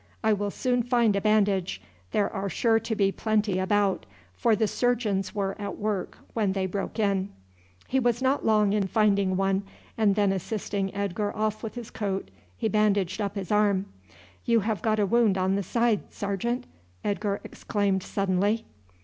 "I will soon find a bandage. There are sure to be plenty about, for the surgeons were at work when they broke in." He was not long in finding one, and then assisting Edgar off with his coat he bandaged up his arm. "You have got a wound on the side, sergeant!" Edgar exclaimed suddenly.